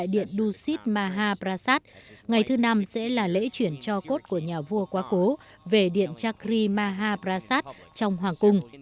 điện dusit maha prasat ngày thứ năm sẽ là lễ chuyển cho cốt của nhà vua quá cố về điện chakri maha prasat trong hoàng cung